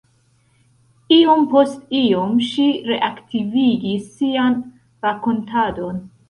Iom post iom ŝi reaktivigis sian rakontadon: